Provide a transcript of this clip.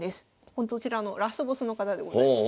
こちらのラスボスの方でございます。